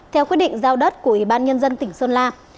theo quyết định giao đất của ủy ban nhân dân tỉnh sơn la